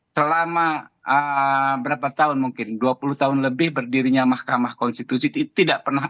selama berapa tahun mungkin dua puluh tahun lebih berdirinya mahkamah konstitusi itu tidak pernah